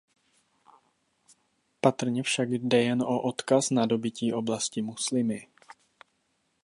Patrně však jde jen o odkaz na dobytí oblasti muslimy.